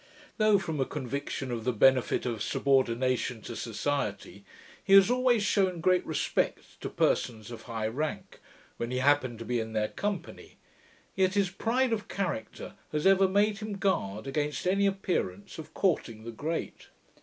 Though from a conviction of the benefit of subordination to society, he has always shewn great respect to persons of high rank, when he happened to be in their company, yet his pride of character has ever made him guard against any appearance of courting the great.